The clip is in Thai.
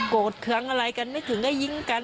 โกรธเครื่องอะไรกันไม่ถึงได้ยิงกัน